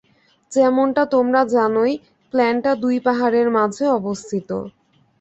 যেমনটা তোমরা জানোই, প্ল্যান্টটা দুই পাহাড়ের মাঝে অবস্থিত।